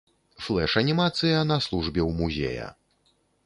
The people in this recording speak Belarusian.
Флэш-анімацыя на службе ў музея.